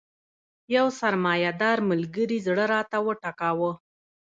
یو سرمایه دار ملګري زړه راته وټکاوه.